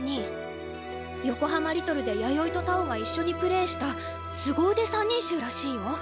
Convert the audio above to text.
横浜リトルで弥生と太鳳が一緒にプレーした凄腕３人衆らしいよ。